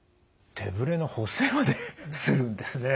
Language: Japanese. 手ブレの補正までするんですね。